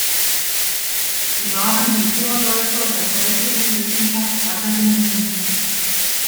Sie waren die Vorläufer der heutigen Wissenschaftsakademien.